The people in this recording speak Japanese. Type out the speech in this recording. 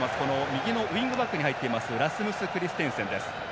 右のウイングバックに入っているラスムス・クリステンセンです。